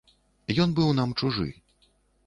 Ён быў нам чужы.